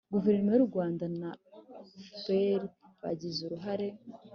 guverinoma y'u rwanda na fpr bagize uruhare